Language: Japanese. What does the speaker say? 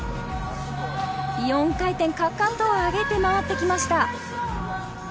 ４回転、かかとを上げて回ってきました。